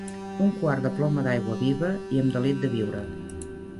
Un quart de ploma d'aigua viva, i am delit de viure